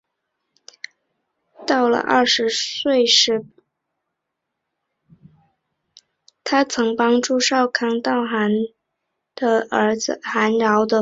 她曾帮助少康到寒浞的儿子寒浇的封地过国去侦察情况。